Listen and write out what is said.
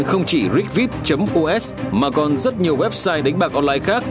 không chỉ rigvip os mà còn rất nhiều website đánh bạc online khác